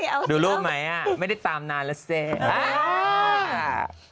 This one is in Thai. โอ้โฮดูรูปไหมไม่ได้ตามนานล่ะสิ